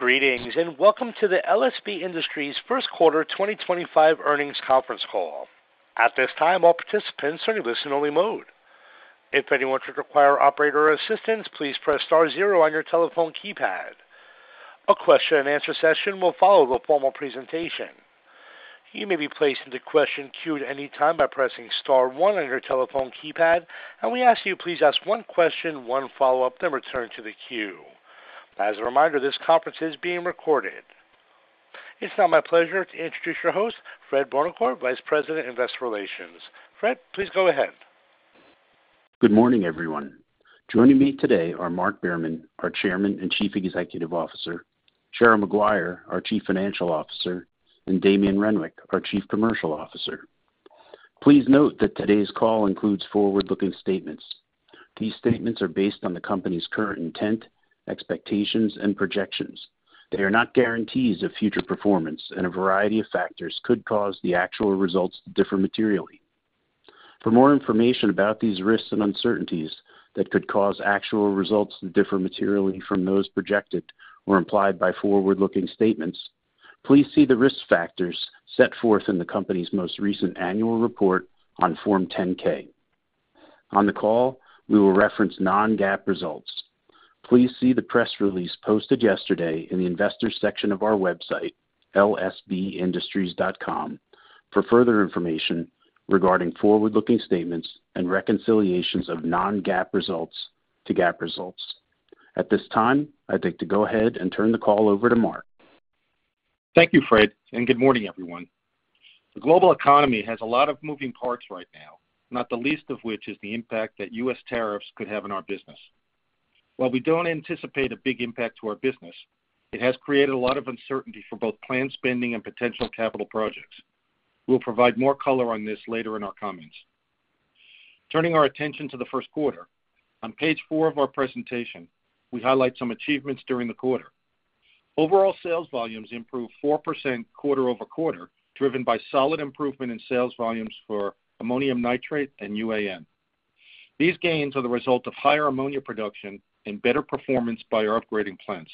Greetings and welcome to the LSB Industries first quarter 2025 earnings conference call. At this time all participants are in listen only mode. If anyone should require operator assistance, please press Star zero on your telephone keypad. A question and answer session will follow the formal presentation. You may be placed into question queue at any time by pressing star one on your telephone keypad and we ask you please ask one question, one follow up, then return to the queue. As a reminder, this conference is being recorded. It is now my pleasure to introduce your host, Fred Buonocore, Vice President, Investor Relations. Fred, please go ahead. Good morning everyone. Joining me today are Mark Behrman, our Chairman and Chief Executive Officer, Sharon McGuire, our Chief Financial Officer, and Damien Renwick, our Chief Commercial Officer. Please note that today's call includes forward looking statements. These statements are based on the Company's current intent, expectations, and projections. They are not guarantees of future performance and a variety of factors could cause the actual results to differ materially. For more information about these risks and uncertainties that could cause actual results to differ materially from those projected or implied by forward looking statements, please see the risk factors set forth in the Company's most recent Annual Report on Form 10-K. On the call, we will reference non-GAAP results. Please see the press release posted yesterday in the Investors section of our website lsbindustries.com for further information regarding forward looking statements and reconciliations of non-GAAP results to GAAP results. At this time I'd like to go ahead and turn the call over to Mark. Thank you Fred and good morning everyone. The global economy has a lot of moving parts right now, not the least of which is the impact that U.S. tariffs could have on our business. While we do not anticipate a big impact to our business, it has created a lot of uncertainty for both planned spending and potential capital projects. We will provide more color on this later in our comments. Turning our attention to the first quarter, on page four of our presentation, we highlight some achievements during the quarter. Overall sales volumes improved 4% quarter-over-quarter, driven by solid improvement in sales volumes for ammonium nitrate and UAN. These gains are the result of higher ammonia production and better performance by our upgrading plants.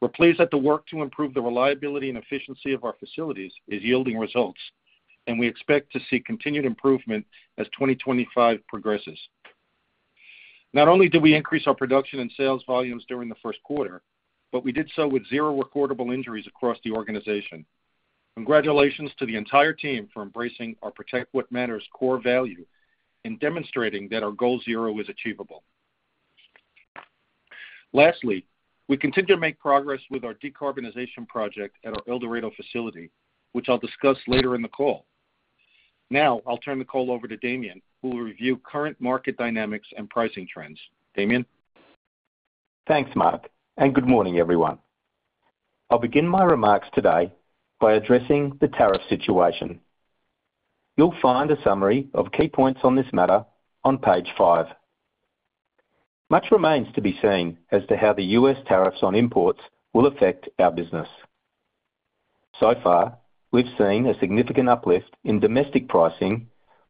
We're pleased that the work to improve the reliability and efficiency of our facilities is yielding results and we expect to see continued improvement as 2025 progresses. Not only did we increase our production and sales volumes during the first quarter, but we did so with zero recordable injuries across the organization. Congratulations to the entire team for embracing our protect what matters core value and demonstrating that our goal zero is achievable. Lastly, we continue to make progress with our decarbonization project at our El Dorado facility, which I'll discuss later in the call. Now I'll turn the call over to Damian, who will review current market dynamics and pricing trends. Damien, thanks, Mark, and good morning everyone. I'll begin my remarks today by addressing the tariff situation. You'll find a summary of key points on this matter on page five. Much remains to be seen as to how the U.S. tariffs on imports will affect our business. So far we've seen a significant uplift in domestic pricing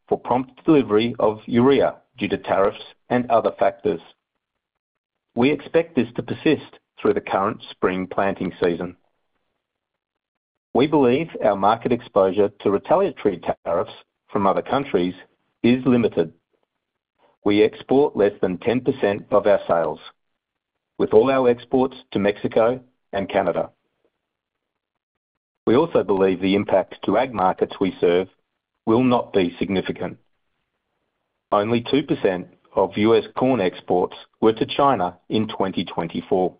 for prompt delivery of urea due to tariffs and other factors. We expect this to persist through the current spring planting season. We believe our market exposure to retaliatory tariffs from other countries is limited. We export less than 10% of our sales with all our exports to Mexico and Canada. We also believe the impact to ag markets we serve will not be significant. Only 2% of U.S. corn exports were to China in 2024.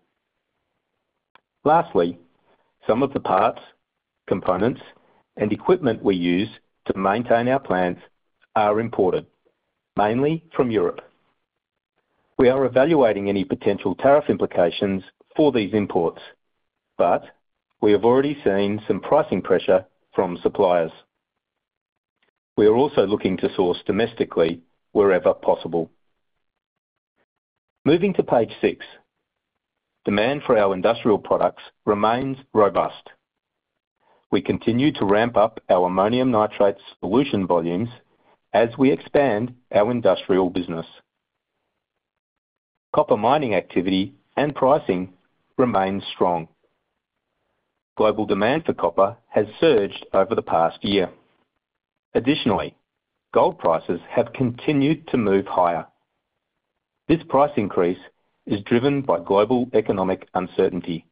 Lastly, some of the parts, components and equipment we use to maintain our plants are imported mainly from Europe. We are evaluating any potential tariff implications for these imports, but we have already seen some pricing pressure from suppliers. We are also looking to source domestically wherever possible. Moving to page six, demand for our industrial products remains robust. We continue to ramp up our ammonium nitrate solution volumes and as we expand our industrial business, copper mining activity and pricing remains strong. Global demand for copper has surged over the past year. Additionally, gold prices have continued to move higher. This price increase is driven by global economic uncertainty.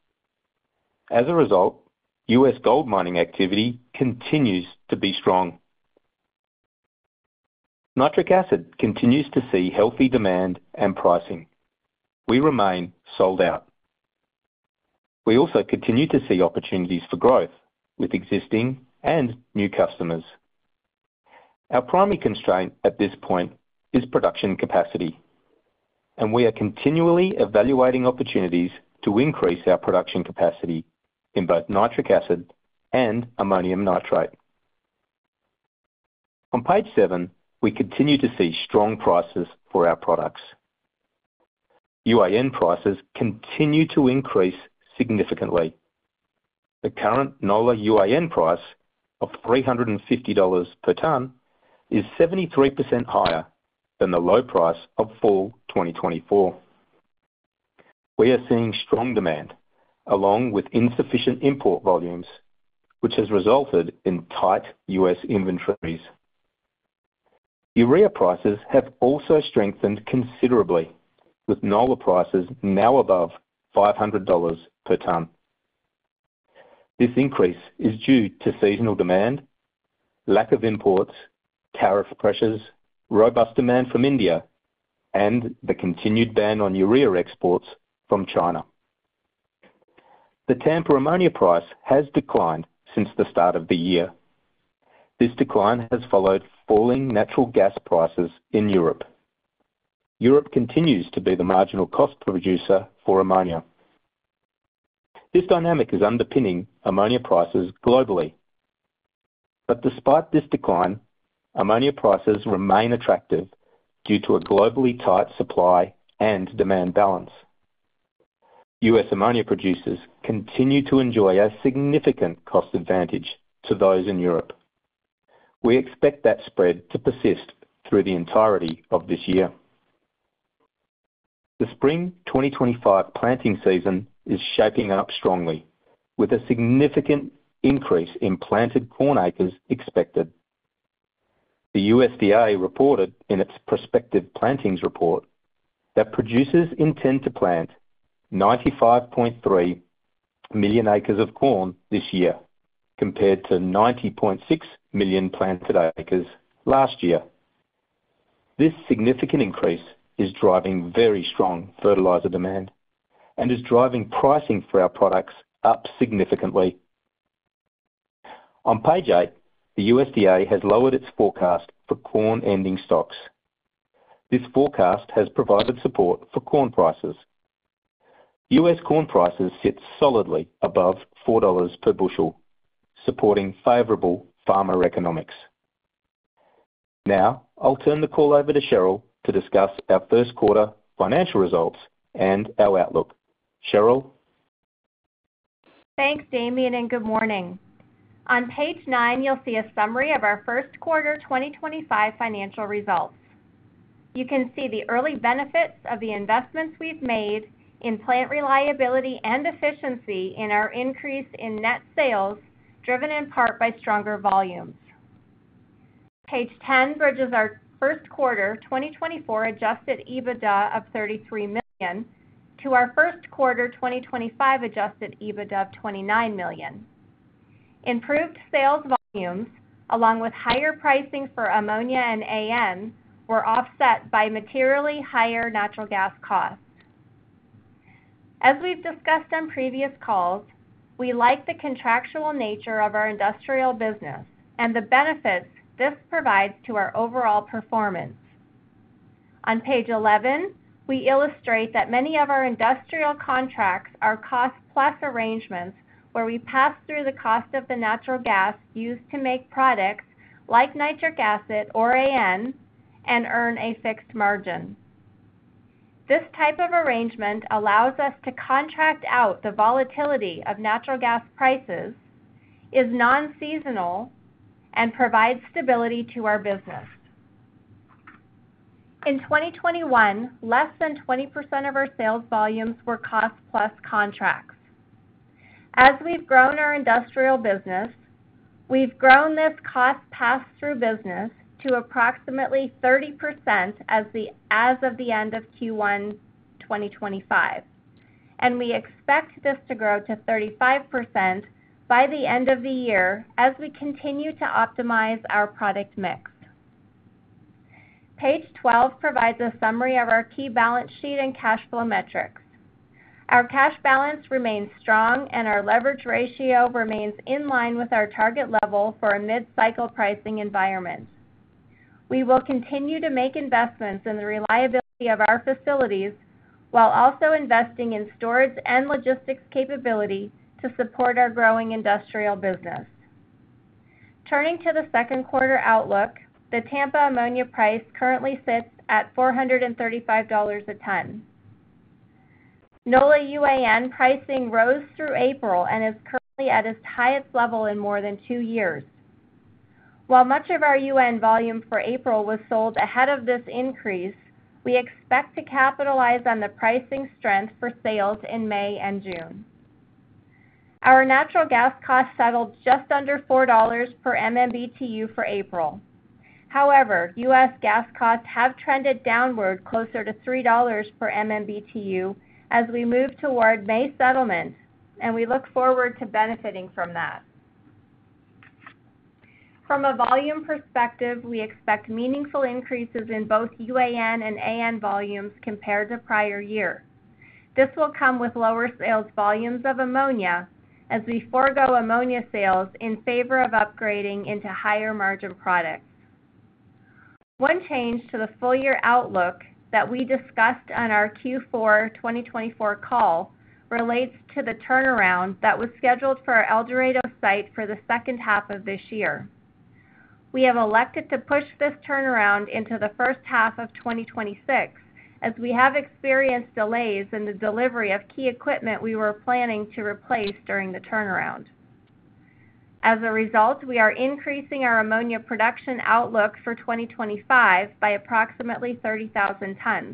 As a result, U.S. gold mining activity continues to be strong. Nitric acid continues to see healthy demand and pricing. We remain sold out. We also continue to see opportunities for growth with existing and new customers. Our primary constraint at this point is production capacity, and we are continually evaluating opportunities to increase our production capacity in both nitric acid and ammonium nitrate. On page seven, we continue to see strong prices for our products. UAN prices continue to increase significantly. The current NOLA UAN price of $350 per tonne is 73% higher than the low price of fall 2024. We are seeing strong demand along with insufficient import volumes, which has resulted in tight U.S. inventories. Urea prices have also strengthened considerably with NOLA prices now above $500 per tonne. This increase is due to seasonal demand, lack of imports, tariff pressures, robust demand from India, and the continued ban on urea exports from China. The Tampa ammonia price has declined since the start of the year. This decline has followed falling natural gas prices in Europe. Europe continues to be the marginal cost producer for ammonia. This dynamic is underpinning ammonia prices globally. Despite this decline, ammonia prices remain attractive due to a globally tight supply and demand balance. U.S. ammonia producers continue to enjoy a significant cost advantage to those in Europe. We expect that spread to persist through the entirety of this year. The spring 2025 planting season is shaping up strongly with a significant increase in planted corn acres expected. The USDA reported in its Prospective Plantings report that producers intend to plant 95.3 million acres of corn this year compared to 90.6 million planted acres last year. This significant increase is driving very strong fertilizer demand and is driving pricing for our products up significantly. On page eight the USDA has lowered its forecast for corn ending stocks. This forecast has provided support for corn prices. US corn prices sit solidly above $4 per bushel, supporting favourable farmer economics. Now I'll turn the call over to Cheryl to discuss our first quarter financial results and our outlook. Cheryl, thanks Damian, and good morning. On page nine you'll see a summary of our first quarter 2025 financial results. You can see the early benefits of the investments we've made in plant reliability and efficiency in our increase in net sales, driven in part by stronger volumes. Page 10 bridges our first quarter 2024 adjusted EBITDA of $33 million to our first quarter 2025 adjusted EBITDA of $29 million. Improved sales volumes along with higher pricing for ammonia and AN were offset by materially higher natural gas costs. As we've discussed on previous calls. We like the contractual nature of our industrial business and the benefits this provides to our overall performance. On page 11 we illustrate that many of our industrial contracts are cost plus arrangements where we pass through the cost of the natural gas used to make products like nitric acid or AN and earn a fixed margin. This type of arrangement allows us to contract out the volatility of natural gas prices, is non-seasonal, and provides stability to our business. In 2021, less than 20% of our sales volumes were cost plus contracts. As we've grown our industrial business, we've grown this cost pass through business to approximately 30% as of the end of Q1 2025, and we expect this to grow to 35% by the end of the year as we continue to optimize our product mix. Page 12 provides a summary of our key balance sheet and cash flow metrics. Our cash balance remains strong and our leverage ratio remains in line with our target level for a mid cycle pricing environment. We will continue to make investments in the reliability of our facilities while also investing in storage and logistics capability to support our growing industrial business. Turning to the second quarter outlook, the Tampa ammonia price currently sits at $435 a ton. NOLA UAN pricing rose through April and is currently at its highest level in more than two years. While much of our UAN volume for April was sold ahead of this increase, we expect to capitalize on the pricing strength for sales in May and June. Our natural gas costs settled just under $4 per MMBtu for April. However, US gas costs have trended downward closer to $3 per MMBtu as we move toward May settlement and we look forward to benefiting from that. From a volume perspective, we expect meaningful increases in both UAN and AN volumes compared to prior year. This will come with lower sales volumes of ammonia as we forego ammonia sales in favor of upgrading into higher margin products. One change to the full year outlook that we discussed on our Q4 2024 call relates to the turnaround that was scheduled for our El Dorado site for the second half of this year. We have elected to push this turnaround into the first half of 2026 as we have experienced delays in the delivery of key equipment we were planning to replace during the turnaround. As a result, we are increasing our ammonia production outlook for 2025 by approximately 30,000 tons.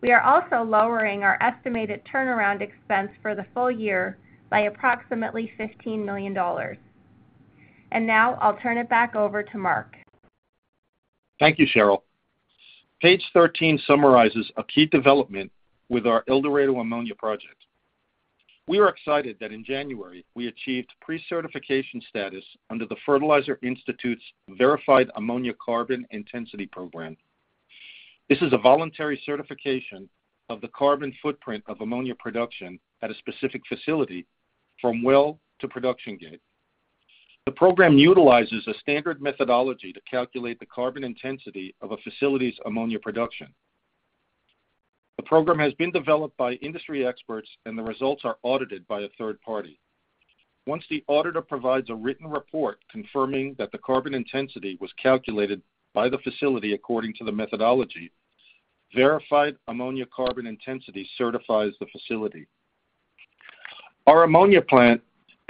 We are also lowering our estimated turnaround expense for the full year by approximately $15 million. Now I'll turn it back over to Mark. Thank you, Cheryl. Page 13 summarizes a key development with our El Dorado ammonia project. We are excited that in January we achieved pre certification status under The Fertilizer Institute's Verified Ammonia Carbon Intensity Program. This is a voluntary certification of the carbon footprint of ammonia production at a specific facility from well to production gate. The program utilizes a standard methodology to calculate the carbon intensity of a facility's ammonia production. The program has been developed by industry experts and the results are audited by a third party once the auditor provides a written report confirming that the carbon intensity was calculated by the facility. According to the methodology, Verified Ammonia Carbon Intensity certifies the facility. Our ammonia plant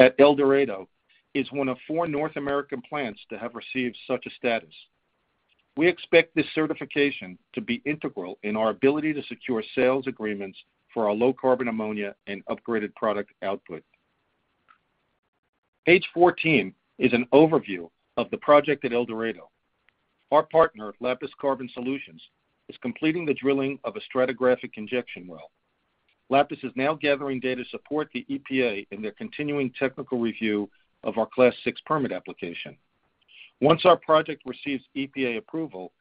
at El Dorado is one of four North American plants to have received such a status. We expect this certification to be integral in our ability to secure sales agreements for our low carbon ammonia and upgraded product output. Page 14 is an overview of the project at El Dorado. Our partner, Lapis Carbon Solutions, is completing the drilling of a stratigraphic injection well. Lapis is now gathering data to support the EPA in their continuing technical review of our Class VI permit application. Once our project receives EPA approval,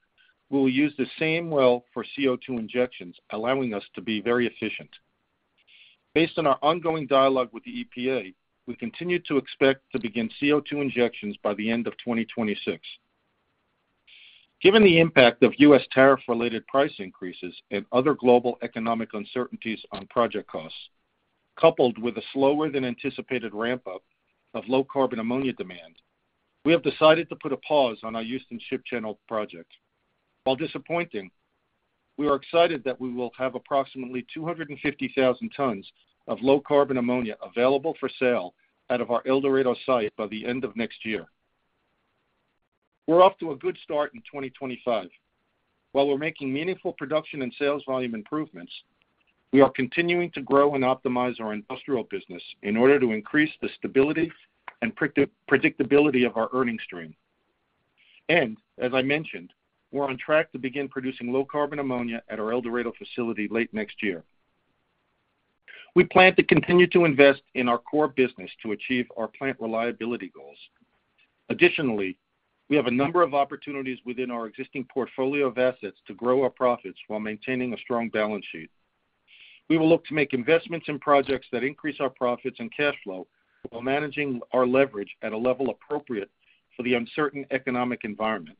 we will use the same well for CO2 injections, allowing us to be very efficient. Based on our ongoing dialogue with the EPA, we continue to expect to begin CO2 injections by the end of 2026. Given the impact of U.S. tariff related price increases and other global economic uncertainties on project costs, coupled with a slower than anticipated ramp up of low carbon ammonia demand, we have decided to put a pause on our Houston Ship Channel project. While disappointing, we are excited that we will have approximately 250,000 tons of low carbon ammonia available for sale out of our El Dorado site by the end of next year. We're off to a good start in 2025. While we're making meaningful production and sales volume improvements, we are continuing to grow and optimize our industrial business in order to increase the stability and predictability of our earnings stream. As I mentioned, we're on track to begin producing low carbon ammonia at our El Dorado facility late next year. We plan to continue to invest in our core business to achieve our plant reliability goals. Additionally, we have a number of opportunities within our existing portfolio of assets to grow our profits while maintaining a strong balance sheet. We will look to make investments in projects that increase our profits and cash flow while managing our leverage at a level appropriate for the uncertain economic environment.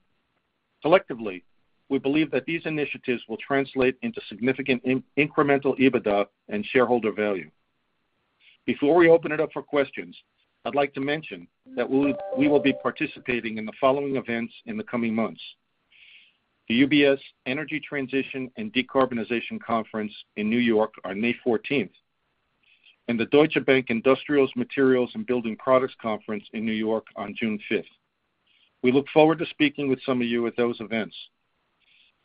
Collectively, we believe that these initiatives will translate into significant incremental EBITDA and shareholder value. Before we open it up for questions, I'd like to mention that we will be participating in the following events in the coming months. The UBS Energy Transition and Decarbonization Conference in New York on May 14 and the Deutsche Bank Industrials Materials and Building Products Conference in New York on June 5. We look forward to speaking with some of you at those events.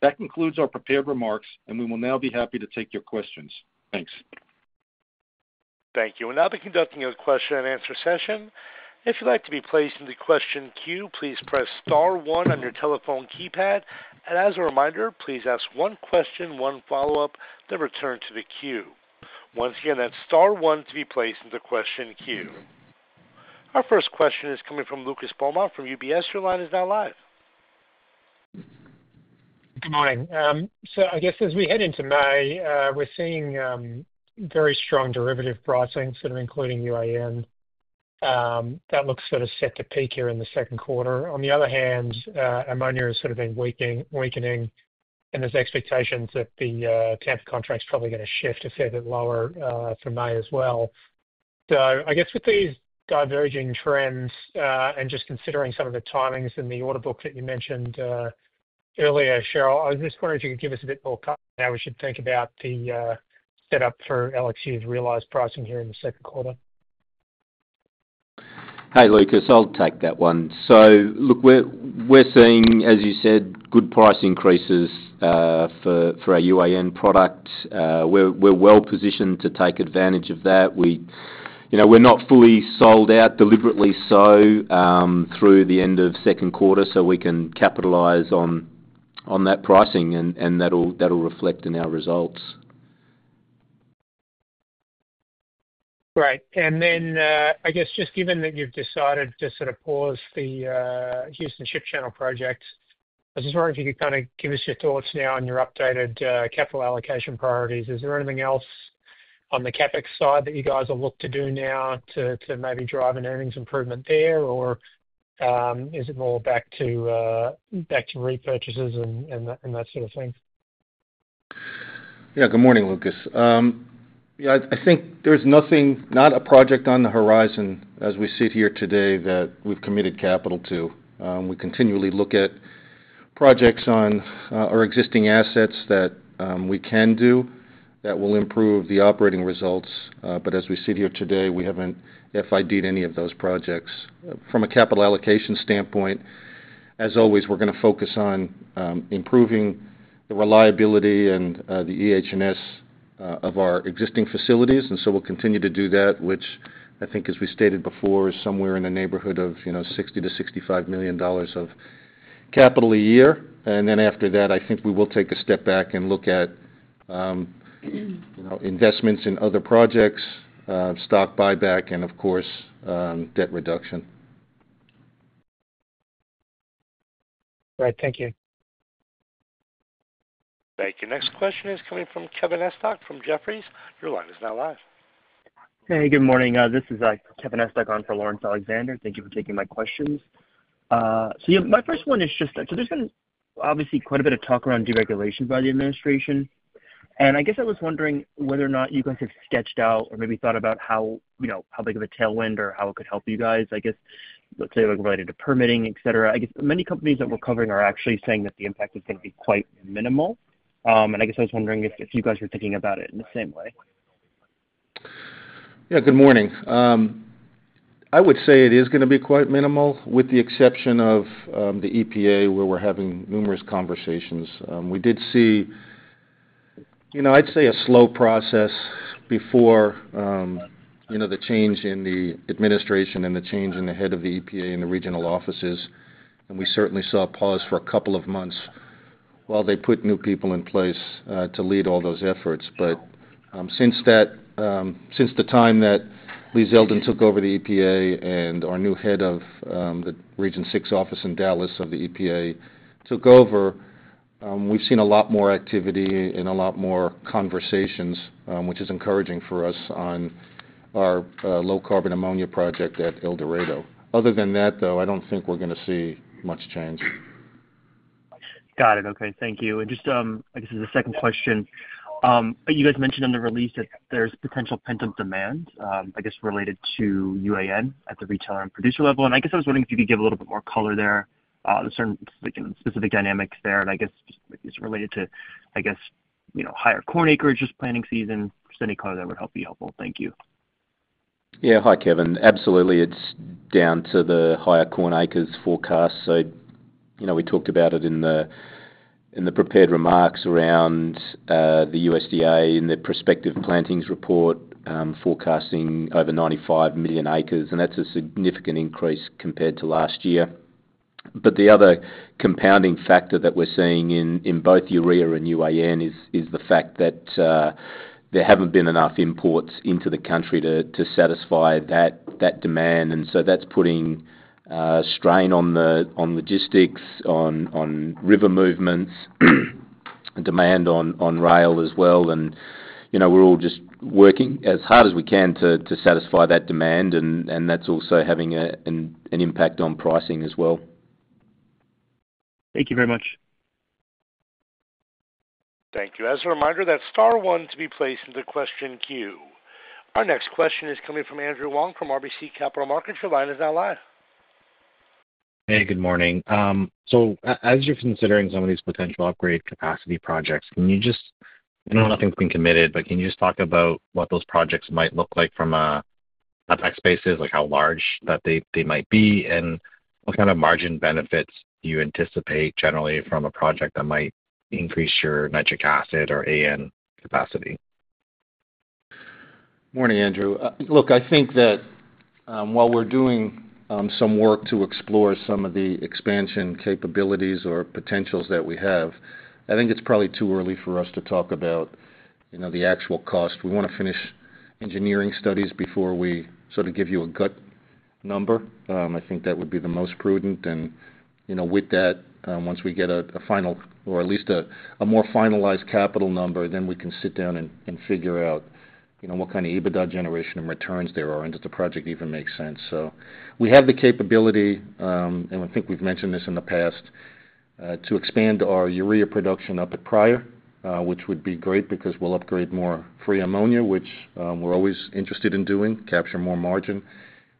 That concludes our prepared remarks and we will now be happy to take your questions. Thanks. Thank you. will now be conducting a question and answer session. If you would like to be placed in the question queue, please press star one on your telephone keypad. As a reminder, please ask one question, one follow-up, then return to the queue. Once again, that is star one to be placed in the question queue. Our first question is coming from Lucas Beaumont from UBS. Your line is now live. Good morning. I guess as we head into May, we're seeing very strong derivative pricing, sort of including UAN, that looks sort of set to peak here in the second quarter. On the other hand, ammonia has sort of been weakening and there's expectations that the Tampa contract's probably going to shift a fair bit lower for May as well. I guess with these diverging trends and just considering some of the timings in the order book that you mentioned earlier, Cheryl, I was just wondering if you could give us a bit more color how we should think about the setup for LXU's realised pricing here in the second quarter. Hey, Lucas, I'll take that one. Look, we're seeing, as you said, good price increases for our UAN product. We're well positioned to take advantage of that. We're not fully sold out deliberately so through the end of second quarter. We can capitalise on that pricing and that will reflect in our results. Right. I guess just given that you've decided to sort of pause the Houston Ship Channel project, I was just wondering if you could kind of give us your thoughts now on your updated capital allocation priorities. Is there anything else on the CapEx side that you guys will look to do now to maybe drive an earnings improvement there, or is it more back to repurchases and that sort of thing? Yeah, good morning, Lucas. I think there's nothing, not a project on the horizon as we sit here today that we've committed capital to. We continually look at projects on our existing assets that we can do that will improve the operating results. As we sit here today, we haven't filled any of those projects from a capital allocation standpoint. As always, we're going to focus on improving the reliability and the EHS of our existing facilities. We'll continue to do that, which I think, as we stated before, somewhere in the neighborhood of, you know, $60-$65 million of capital a year. After that, I think we will take a step back and look. At. Investments in other projects, stock buyback and of course, debt reduction. Right. Thank you. Thank you. Next question is coming from Kevin Estok from Jefferies. Your line is now live. Hey, good morning, this is Kevin Estok on for Lawrence Alexander. Thank you for taking my questions. My first one is just there's been obviously quite a bit of talk around deregulation by the administration. I guess I was wondering whether or not you guys have sketched out. Or maybe thought about how, you know. How big of a tailwind or how it could help you guys, I guess, let's say, related to permitting, et cetera. I guess many companies that we're covering are actually saying that the impact is going to be quite minimal. I guess I was wondering if you guys were thinking about it in the same way. Yeah. Good morning. I would say it is going to be quite minimal with the exception of the EPA where we're having numerous conversations. We did see, you know, I'd say a slow process before, you know, the change in the administration and the change in the head of the EPA and the regional offices. We certainly saw a pause for a couple of months while they put new people in place to lead all those efforts. Since that, since the time that Lee Zeldin took over the EPA and our new head of the Region six office in Dallas of the EPA took over, we've seen a lot more activity and a lot more conversations which is encouraging for us on our low carbon ammonia project at El Dorado. Other than that though, I don't think we're going to see much change. Got it. Okay, thank you. Just I guess as a second question, you guys mentioned in the release that there's potential pent up demand, I guess related to UAN at the retailer and producer level. I guess I was wondering if. You could give a little bit more. Color there, the certain specific dynamics there. I guess it's related to, I guess, you know, higher corn acreage, just planting season, just any color that would be helpful. Thank you. Yes, Kevin, absolutely. It's down to the higher corn acres forecast. We talked about it in the prepared remarks around the USDA in the prospective plantings report forecasting over 95 million acres. That's a significant increase compared to last year. The other compounding factor that we're seeing in both urea and UAN is the fact that there haven't been enough imports into the country to satisfy that demand. That's putting strain on logistics, on river movements, demand, on rail as well. You know, we're all just working as hard as we can to satisfy that demand and that's also having an impact on pricing as well. Thank you very much. Thank you. As a reminder that star one to be placed into question queue, our next question is coming from Andrew Wen from RBC Capital Markets. Your line is now live. Hey, good morning. As you're considering some of these. Potential upgrade capacity projects, can you just. I know nothing's been committed, but can. You just talk about what those projects might look like from a tax basis, like how large that they might be and what kind of margin benefits do you anticipate generally from a project that might increase your nitric acid or AN capacity. Morning, Andrew. Look, I think that while we're doing some work to explore some of the expansion capabilities or potentials that we have, I think it's probably too early for us to talk about the actual cost. We want to finish engineering studies before we sort of give you a gut number. I think that would be the most prudent. You know, with that, once we get a final or at least a more finalized capital number, then we can sit down and figure out, you know, what kind of EBITDA generation and returns there are and if the project even makes sense. We have the capability, and I think we've mentioned this in the past, to expand our urea production up at Pryor, which would be great because we'll upgrade more from free ammonia, which we're always interested in doing, capture more margin.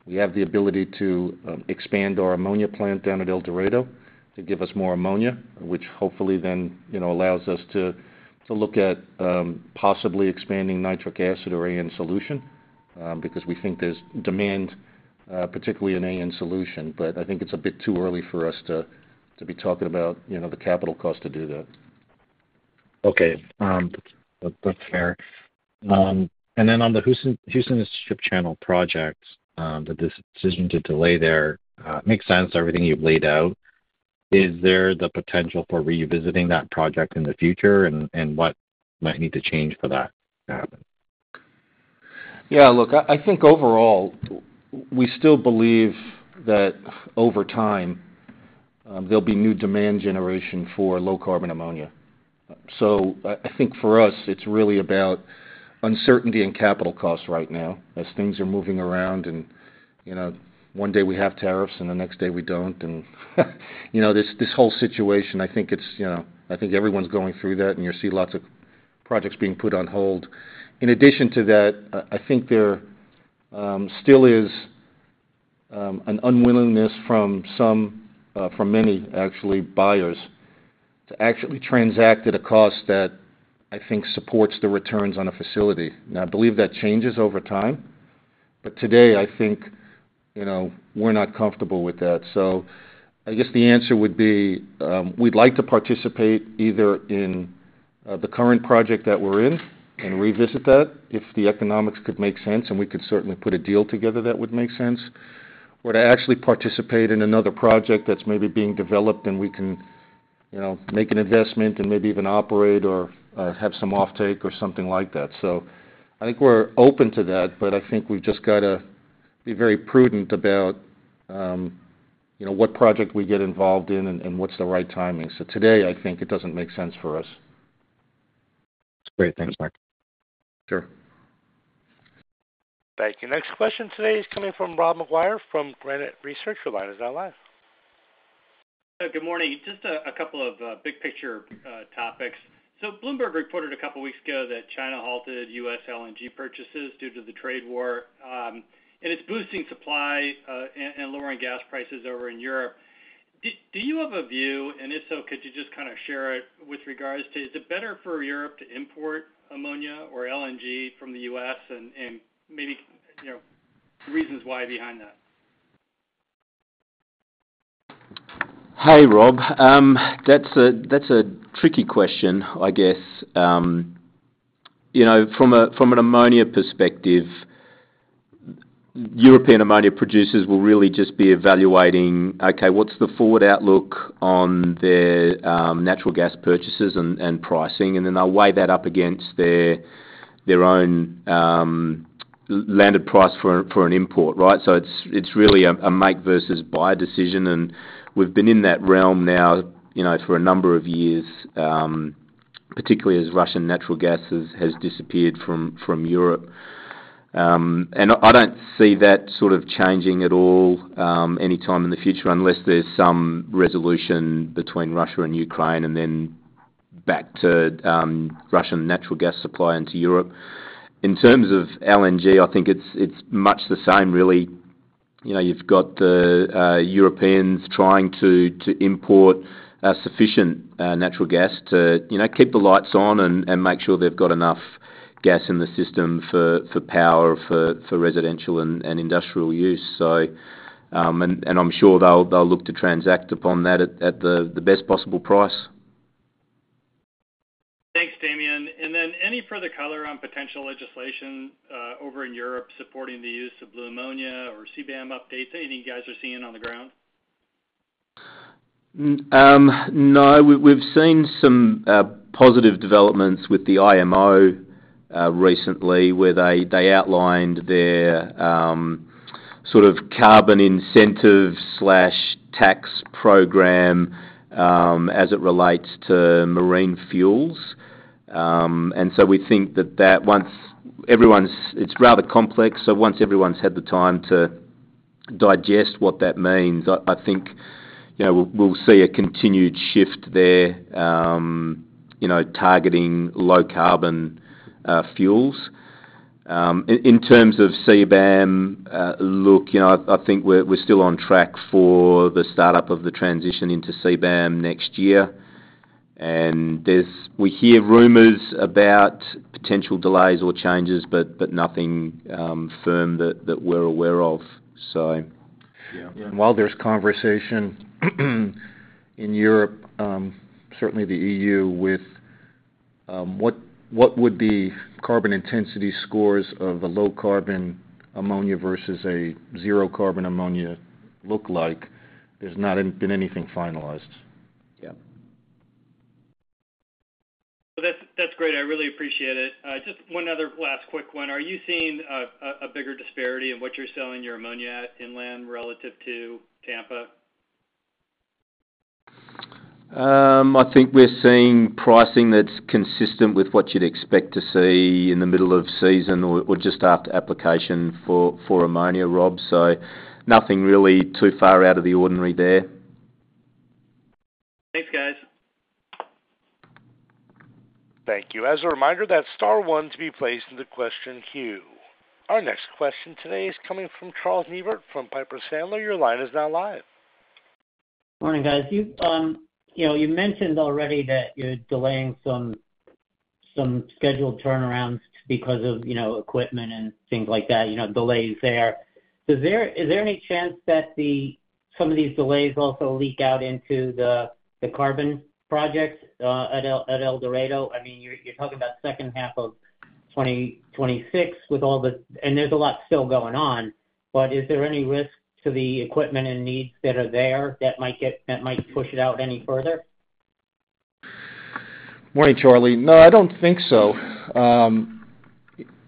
We have the ability to expand our ammonia plant down at El Dorado to give us more ammonia, which hopefully then, you know, allows us to look at possibly expanding nitric acid or AN solution, because we think there's demand, particularly in AN solution. I think it's a bit too early for us to be talking about, you know, the capital cost to do that. Okay, that's fair. On the Houston Ship Channel project, the decision to delay there makes sense. Everything you've laid out is there the potential for revisiting that project in the future and what might need to change for that? Yeah, look, I think overall we still believe that over time there'll be new demand generation for low carbon ammonia. I think for us, it's really about uncertainty and capital costs right now as things are moving around. You know, one day we have tariffs and the next day we don't. You know, this whole situation, I think it's, you know, I think everyone's going through that and you see lots of projects being put on hold. In addition to that, I think there still is an unwillingness from some, from many actually buyers to actually transact at a cost that I think supports the returns on a facility. Now, I believe that changes over time, but today I think, you know, we're not comfortable with that. I guess the answer would be we'd like to participate either in the current project that we're in and revisit that. If the economics could make sense and we could certainly put a deal together that would make sense, or to actually participate in another project that's maybe being developed and we can, you know, make an investment and maybe even operate or have some offtake or something like that. I think we're open to that, but I think we've just got to be very prudent about, you know, what project we get involved in and what's the right timing. Today I think it doesn't make sense for us. Great. Thanks, Mark. Sure. Thank you. Next question today is coming from Rob McGuire from Granite Research. Our line is now live. Good morning. Just a couple of big picture topics. Bloomberg reported a couple weeks ago that China halted U.S. LNG purchases due to the trade war and it's boosting supply and lowering gas prices over in Europe. Do you have a view? If so, could you just kind of share it with regards to is it better for Europe to import ammonia or LNG from the U.S. and maybe reasons why behind that? Hey, Rob, that's a tricky question. I guess, you know, from an ammonia. Perspective. European ammonia producers will really just be evaluating, okay, what's the forward outlook on their natural gas purchases and pricing, and then they'll weigh that up against their own landed price for an import. Right. It is really a make versus buy decision. We have been in that realm now, you know, for a number of years, particularly as Russian natural gas has disappeared from Europe. I do not see that sort of changing at all anytime in the future unless there is some resolution between Russia and Ukraine and then back to Russian natural gas supply into Europe. In terms of LNG, I think it is much the same really. You have got the Europeans trying to import sufficient natural gas to keep the lights on and make sure they have got enough gas in the system for power for residential and industrial use. I am sure they will look to transact upon that at the best possible price. Thanks, Damian. Any further color on potential legislation over in Europe supporting the use of blue ammonia or CBAM updates? Anything you guys are seeing on the ground? No, we've seen some positive developments with the IMO recently where they outlined their sort of carbon incentive tax program as it relates to marine fuels. We think that, that once everyone's, it's rather complex. Once everyone's had the time to digest what that means, I think we'll see a continued shift there, you know, targeting low carbon fuels. In terms of CBAM, look, you know, I think we're still on track for the startup of the transition into CBAM next year. We hear rumors about potential delays or changes, but nothing firm that we're aware of. While there's conversation in Europe, certainly the EU with what would the carbon intensity scores of a low carbon ammonia versus a zero carbon ammonia look like, there's not been anything finalized. Yeah. That's great. I really appreciate it. Just one other last quick one. Are you seeing a bigger disparity in what you're selling your ammonia at inland relative to Tampa? I think we're seeing pricing that's consistent with what you'd expect to see in the middle of season or just after application for ammonia, Rob. Nothing really too far out of the ordinary there. Thanks guys. Thank you. As a reminder, star one to be placed into the question queue. Our next question today is coming from Charles Neivert from Piper Sandler. Your line is now live. Morning guys. You mentioned already that you're delaying some scheduled turnarounds because of equipment and things like that. Delays there. Is there any chance that some of these delays also leak out into the carbon projects at El Dorado? I mean, you're talking about second half of 2026 with all the. And there's a lot still going on. Is there any risk to the equipment and needs that are there that might get, that might push it out any further? Morning, Charlie. No, I do not think so.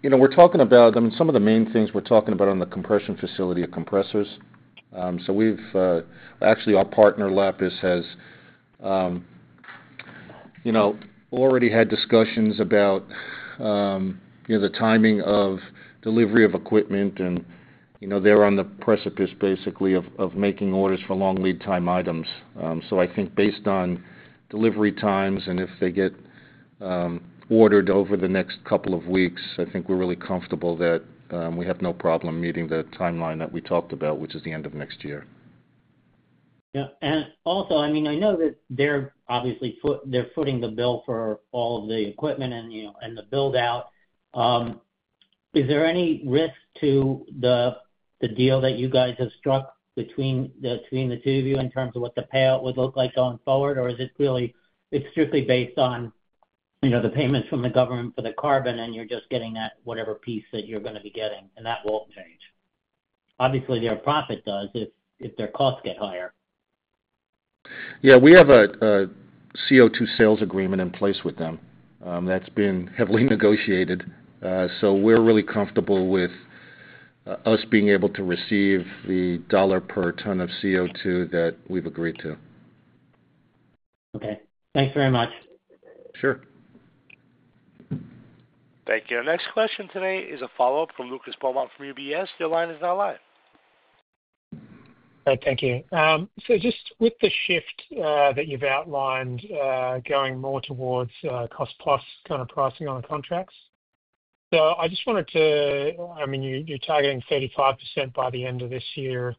You know, we are talking about, I mean some of the main things we are talking about on the compression facility are compressors. You know, our partner Lapis has already had discussions about the timing of delivery of equipment and, you know, they are on the precipice basically of making orders for long lead time items. I think based on delivery times and if they get ordered over the next couple of weeks, I think we are really comfortable that we have no problem meeting the timeline that we talked about, which is the end of next year. I mean, I know that they're obviously, they're footing the bill for all of the equipment and, you know, and the build out. Is there any risk to the deal that you guys have struck between the two of you in terms of what the payout would look like going forward or is it really, it's strictly based on, you know, the payments from the government for the carbon and you're just getting that whatever piece that you're going to be getting and that won't change. Obviously their profit does if their costs get higher. Yeah, we have a CO2 sales agreement in place with them that's been heavily negotiated. We are really comfortable with us being able to receive the dollar per ton of CO2 that we've agreed to. Okay, thanks very much. Sure. Thank you. Our next question today is a follow up from Lucas Beaumont from UBS. Your line is now live. Thank you. Just with the shift that you've outlined going more towards cost plus kind of pricing on contracts, I just wanted to, I mean you're targeting 35% by the end of this year.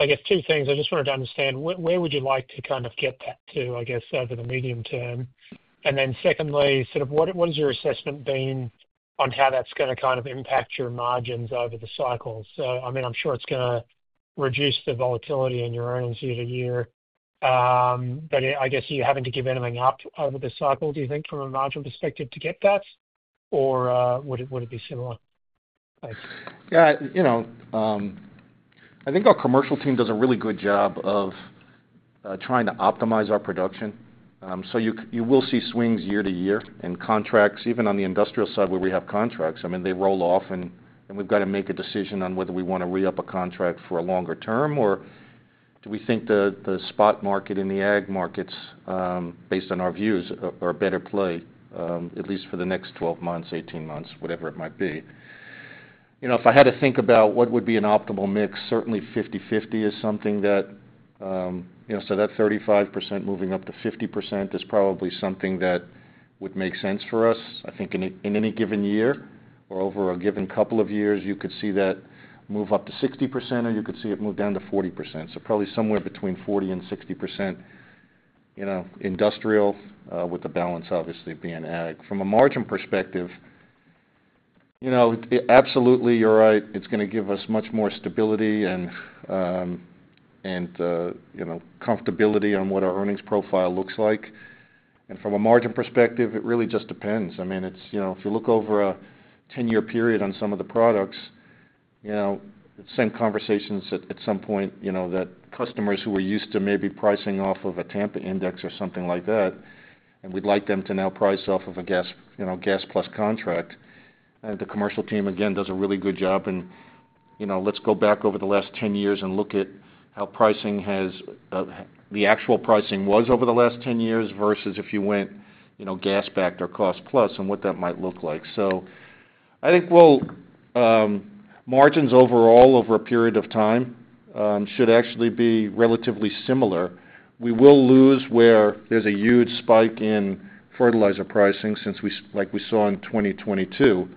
I guess two things I just wanted to understand. Where would you like to kind of get that to I guess over the medium term? Then secondly, sort of what has your assessment been on how that's going to kind of impact your margins over the cycle? I mean I'm sure it's going to reduce the volatility in your earnings year to year, but I guess are you having to give anything up over the cycle do you think from a margin perspective to get that or would it be similar? Yeah, you know, I think our commercial team does a really good job of trying to optimize our production. You will see swings year to year in contracts, even on the industrial side where we have contracts. I mean, they roll off and we've got to make a decision on whether we want to re-up a contract for a longer term or do we think the spot market in the AG markets, based on our views, are a better play at least for the next 12 months, 18 months, whatever it might be. You know, if I had to think about what would be an optimal mix, certainly 50-50 is something that, you know, so that 35% moving up to 50% is probably something that would make sense for us. I think in any given year or over a given couple of years you could see that move up to 60% or you could see it move down to 40%. Probably somewhere between 40-60%, you know, industrial with the balance obviously being ag. From a margin perspective, you know, absolutely, you're right. It's going to give us much more stability and, and you know, comfortability on what our earnings profile looks like. From a margin perspective it really just depends. I mean it's, you know, if you look over a 10 year period on some of the products, you know, same conversations at some point, you know that customers who were used to maybe pricing off of a Tampa index or something like that and we'd like them to now price off of a gas, you know, gas plus contract and the commercial team again does a really good job in, you know, let's go back over the last 10 years and look at how pricing has the actual pricing was. Over the last 10 years versus if. You went, you know, gas backed or cost plus and what that might look like. I think margins overall over a period of time should actually be relatively similar. We will lose where there's a huge. Spike in fertilizer pricing since, like we saw in 2022.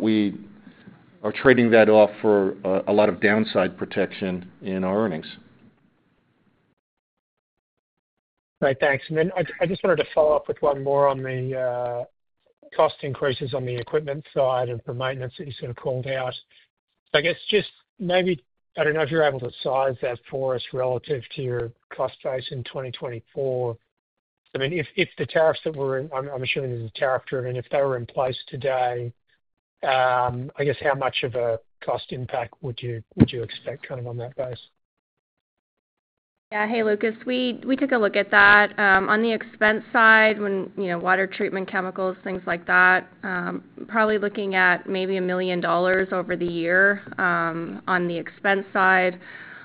We are trading that off for a lot of downside protection in our earnings. Great, thanks. I just wanted to follow up with one more on the cost increases on the equipment side and for maintenance that you sort of called out. I guess just maybe. I don't know if you're able to size that for us relative to your cost base in 2024. I mean, if the tariffs that were. I'm assuming this is tariff driven, if they were in place today, I guess how much of a cost impact would you expect kind of on that basis? Yeah. Hey, Lucas, we took a look at that on the expense side when, you know, water treatment, chemicals, things like that, probably looking at maybe $1 million over the year on the expense side.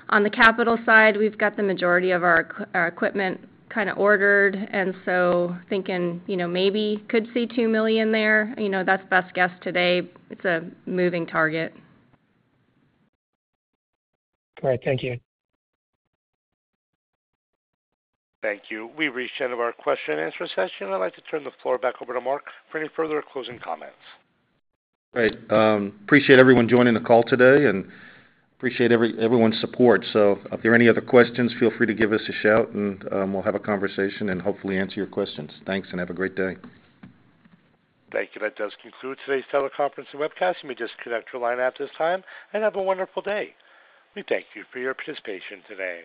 On the capital side, we've got the majority of our equipment kind of ordered and so thinking maybe could see $2 million there. That's best guess today. It's a moving target. All right. Thank you. Thank you. We've reached the end of our question and answer session. I'd like to turn the floor back over to Mark for any further closing comments. Great. Appreciate everyone joining the call today and appreciate everyone's support. If there are any other questions, feel free to give us a shout and we'll have a conversation and hopefully answer your questions. Thanks and have a great day. Thank you. That does conclude today's teleconference and webcast. You may disconnect your line at this time and have a wonderful day. We thank you for your participation today.